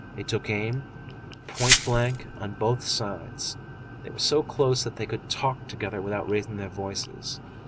They took aim, point blank, on both sides: they were so close that they could talk together without raising their voices.